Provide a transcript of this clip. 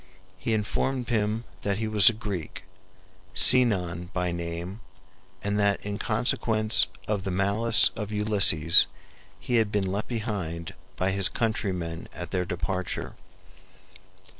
He informed them that he was a Greek, Sinon by name, and that in consequence of the malice of Ulysses he had been left behind by his countrymen at their departure.